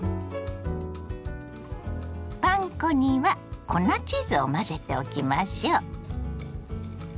パン粉には粉チーズを混ぜておきましょ。